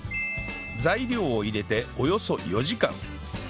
材料を入れておよそ４時間